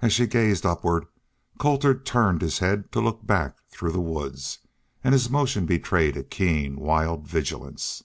As she gazed upward Colter turned his head to look back through the woods, and his motion betrayed a keen, wild vigilance.